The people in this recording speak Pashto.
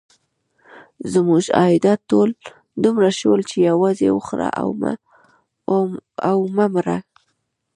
زموږ عایدات دومره شول چې یوازې وخوره او مه مره.